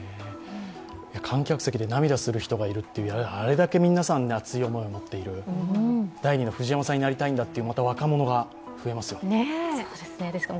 観客席で涙する人がいるって、あれだけ皆さん熱い思いを持っている、第二の藤山さんになりたいんだという若者が、また増えますよ。